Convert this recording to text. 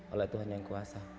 oleh tuhan yang kuasa